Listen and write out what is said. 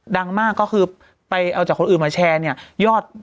ดังมากก็คือไปเอาจากคนอื่นมาแชร์เนี่ยยอด